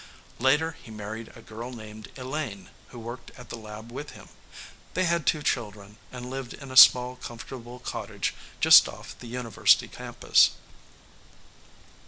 Later he married a girl named Elaine, who worked at the lab with him. They had two children, and lived in a small comfortable cottage just off the University campus.